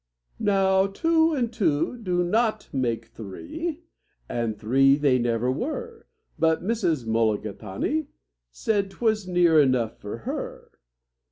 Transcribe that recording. Now two and two do not make three, and three they never were; But Mrs. Mulligatawny said 'twas near enough for her.